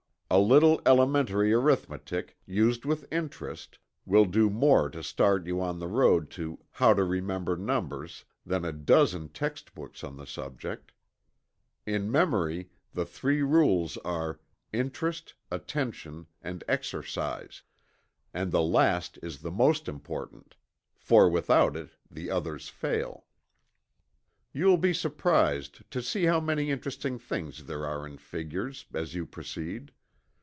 A little elementary arithmetic, used with interest, will do more to start you on the road to "How to Remember Numbers" than a dozen text books on the subject. In memory, the three rules are: "Interest, Attention and Exercise" and the last is the most important, for without it the others fail. You will be surprised to see how many interesting things there are in figures, as you proceed.